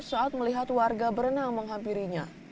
saat melihat warga berenang menghampirinya